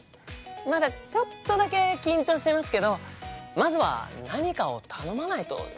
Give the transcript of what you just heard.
まだちょっとだけ緊張してますけどまずは何かを頼まないとですよね。